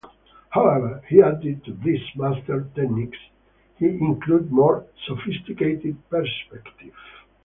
However, he added to these masters' techniques; he included more sophisticated perspective.